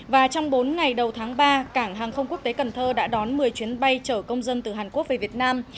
và trong bốn ngày đầu tháng ba cảng hàng không quốc tế cần thơ đã đón một mươi chuyến bay chở công dân từ hàn quốc về việt nam